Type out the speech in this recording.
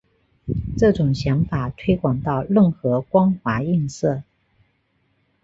这种想法推广到任何光滑映射。